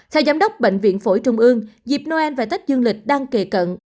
theo giám đốc bệnh viện phổi trung ương dịp noel và tết dương lịch đang kề cận